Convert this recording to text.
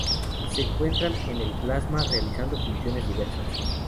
Se encuentran en el plasma realizando funciones defensivas.